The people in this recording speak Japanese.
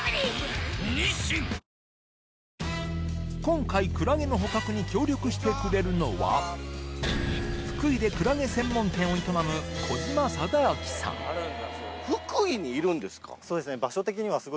今回クラゲの捕獲に協力してくれるのは福井でクラゲ専門店を営むまずはこちらの。